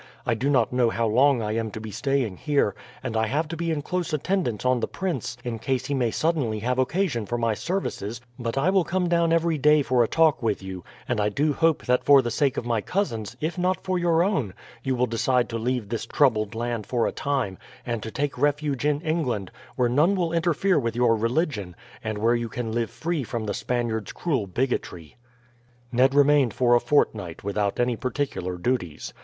I do not know how long I am to be staying here, and I have to be in close attendance on the prince in case he may suddenly have occasion for my services, but I will come down every day for a talk with you; and I do hope that for the sake of my cousins, if not for your own, you will decide to leave this troubled land for a time, and to take refuge in England, where none will interfere with your religion, and where you can live free from the Spaniard's cruel bigotry." Ned remained for a fortnight without any particular duties.